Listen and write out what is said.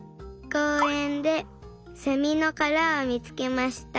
こうえんでセミのからをみつけました。